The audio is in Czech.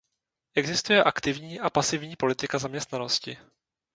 Existuje aktivní a pasivní politika zaměstnanosti.